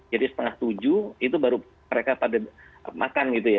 jadi setengah tujuh itu baru mereka makan gitu ya